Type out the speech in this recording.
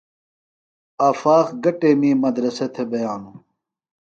آفاق گہ ٹیمی مدرسہ تھےۡ بِیانوۡ؟